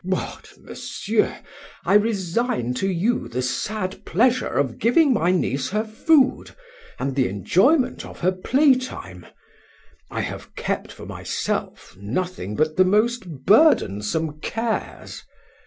What, monsieur! I resign to you the sad pleasure of giving my niece her food, and the enjoyment of her playtime; I have kept for myself nothing but the most burdensome cares.